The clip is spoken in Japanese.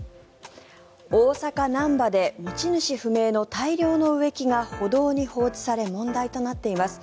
大阪・なんばで持ち主不明の大量の植木が歩道に放置され問題となっています。